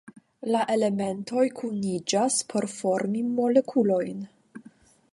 La elementoj kuniĝas por formi molekulojn.